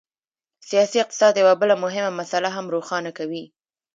سیاسي اقتصاد یوه بله مهمه مسله هم روښانه کوي.